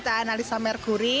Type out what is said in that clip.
pertama kita analis sama merkuri